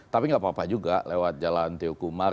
tapi nggak apa apa juga lewat jalan teguh umar